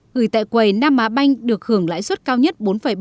gửi tại quầy nam á banh được hưởng lãi suất cao nhất bốn bảy mươi năm